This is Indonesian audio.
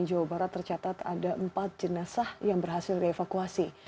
jawa barat tercatat ada empat jenazah yang berhasil dievakuasi